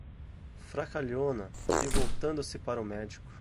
Fracalhona! E voltando-se para o médico: